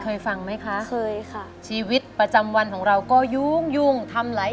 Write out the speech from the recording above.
ฟังไหมคะเคยค่ะชีวิตประจำวันของเราก็ยุ่งยุ่งทำหลาย